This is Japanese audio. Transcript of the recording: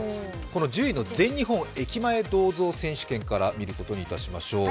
１０位の全日本駅前銅像選手権から見ることにいたしましょう。